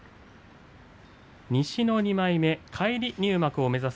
西の２枚目返り入幕を目指す